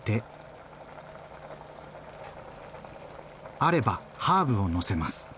あればハーブをのせます。